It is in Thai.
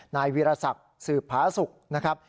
นายวิรสักษ์สืบพ้าศุกร์นะครับ